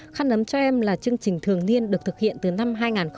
khăn ấm cho em là chương trình thường niên được thực hiện từ năm hai nghìn một mươi